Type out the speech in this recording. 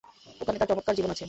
ওখানে তার চমৎকার জীবন আছে।